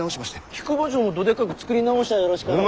引間城もどでかく造り直しゃあよろしかろう。